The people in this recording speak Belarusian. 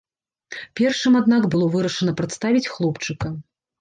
Першым, аднак, было вырашана прадставіць хлопчыка.